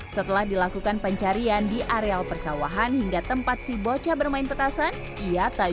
setelah dilakukan pencarian di areal persawahan hingga tempat si bocah bermain petasan ia tak